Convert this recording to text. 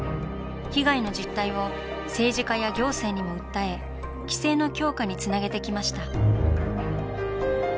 被害の実態を政治家や行政にも訴え規制の強化につなげてきました。